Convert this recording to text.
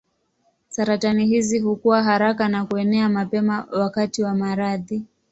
Saratani hizi hukua haraka na kuenea mapema wakati wa maradhi.